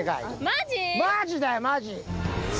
マジだよマジ。